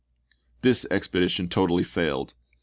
This expedition totally failed.